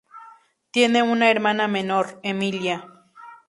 Tiene una hermana menor, Emilia.